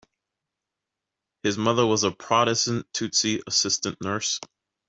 His mother was a Protestant Tutsi assistant nurse.